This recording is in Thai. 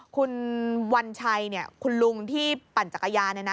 คุณวันชัยเนี่ยคุณลุงที่ปั่นจักรยานเนี่ยนะ